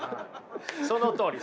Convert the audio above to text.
そのとおり。